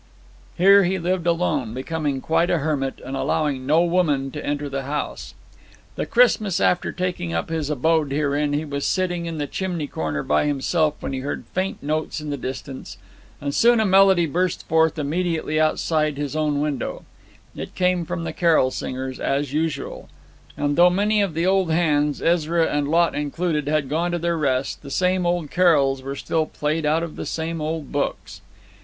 Here he lived alone, becoming quite a hermit, and allowing no woman to enter the house. The Christmas after taking up his abode herein he was sitting in the chimney corner by himself, when he heard faint notes in the distance, and soon a melody burst forth immediately outside his own window, it came from the carol singers, as usual; and though many of the old hands, Ezra and Lot included, had gone to their rest, the same old carols were still played out of the same old books.